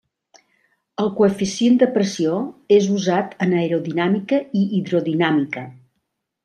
El coeficient de pressió és usat en aerodinàmica i hidrodinàmica.